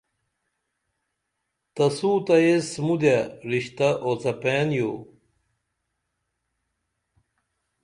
تسوتہ ایس مودیہ رشتہ اوڅپین یو